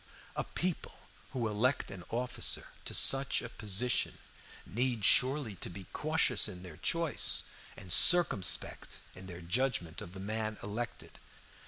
A people who elect an officer to such a position need surely to be cautious in their choice and circumspect in their judgment of the man elected.